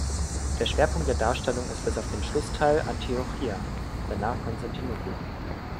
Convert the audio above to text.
Der Schwerpunkt der Darstellung ist bis auf den Schlussteil Antiochia, danach Konstantinopel.